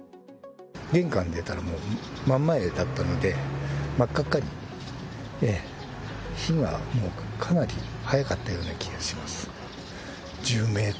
玄関出たらもう、真ん前だったので、真っ赤っかに、火がかなり早かったような気がします。